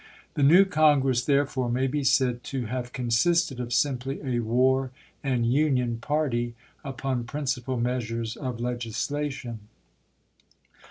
The new CongiTss therefore may be said to have consisted of simply a War and Union party upon principal measures of legislation.